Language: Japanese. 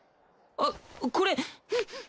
あっこれ。